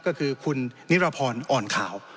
ก็คือนิรพรนิอ่อนข่าว